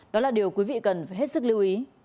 đó là điều quý vị cần phải hết sức lưu ý